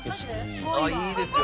いいですよ。